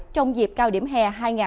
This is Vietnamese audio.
trong dịp cao điểm hè hai nghìn hai mươi bốn